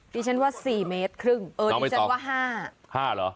ดิฉันว่า๔เมตรครึ่งเออดิฉันว่า๕๕เหรอ